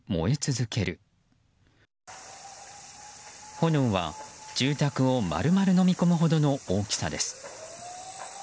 炎は、住宅を丸々のみ込むほどの大きさです。